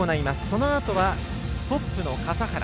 そのあとは、トップの笠原。